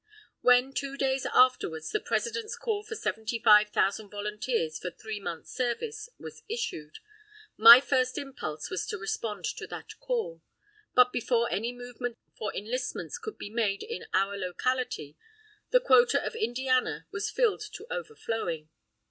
When two days afterwards the President's call for seventy five thousand volunteers for three months' service was issued, my first impulse was to respond to that call; but before any movement for enlistments could be made in our locality the quota of Indiana was filled to overflowing.